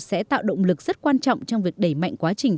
sẽ tạo động lực rất quan trọng trong việc đẩy mạnh quá trình